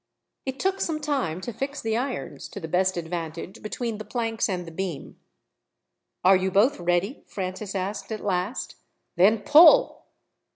It took some time to fix the irons, to the best advantage, between the planks and the beam. "Are you both ready?" Francis asked at last. "Then pull."